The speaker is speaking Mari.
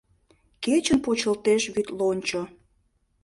Кечын почылтеш вӱд лончо